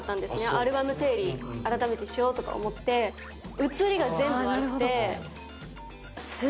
アルバムの整理を改めてしようと思って、写りが全部悪くて。